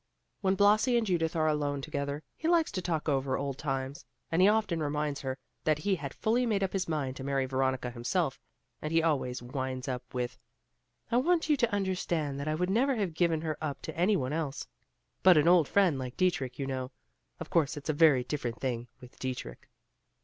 When Blasi and Judith are alone together, he likes to talk over old times, and he often reminds her that he had fully made up his mind to marry Veronica himself; and he always winds up with, "I want you to understand that I would never have given her up to any one else; but an old friend like Dietrich, you know; of course it's a very different thing with Dietrich."